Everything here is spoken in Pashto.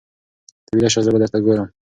ته ویده شه زه به درته ګورم.